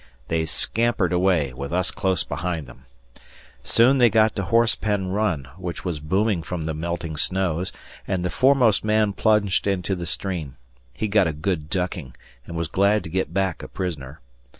They scampered away, with us close behind them. Soon they got to Horsepen Run, which was booming from the melting snows, and the foremost man plunged into the stream. He got a good ducking and was glad to get back a prisoner.